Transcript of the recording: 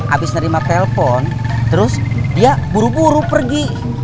habis nerima telpon terus dia buru buru pergi